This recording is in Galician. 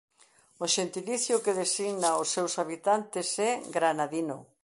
O xentilicio que designa aos seus habitantes é "granadino".